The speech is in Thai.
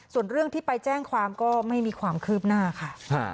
ส่วนเรื่องที่ไปแจ้งความก็ไม่มีความคืบหน้าค่ะ